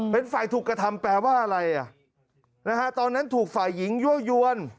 เป็นฝ่ายถูกกระทำแปลว่าอะไรอ่ะนะฮะตอนนั้นถูกฝ่ายหญิงยั่วยวน